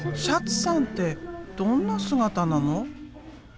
「シャツさんってどんな姿なの？」。